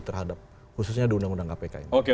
terhadap khususnya di undang undang kpk ini